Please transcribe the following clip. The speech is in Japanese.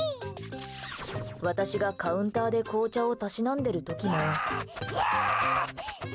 私がカウンターで紅茶をたしなんでる時も。